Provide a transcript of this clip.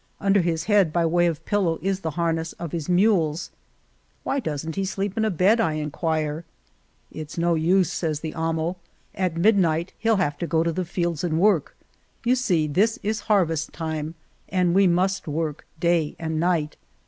Under his head by way of pillow is the harness of his mules. " Why doesn't he sleep in a bed ?" I inquire. It's no use," says the amo. " At midnight he'll have to go to the fields and work. You see this is harvest time and we must work day and night."